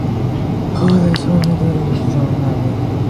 ওহ, লেসওয়ালা মেয়েদের চরম লাগে।